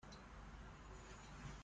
می توانم این را بدون نسخه بخرم؟